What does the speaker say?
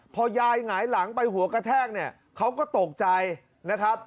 พอยายหงายหลังไปหัวกระแทกเนี่ยเขาก็ตกใจนะครับ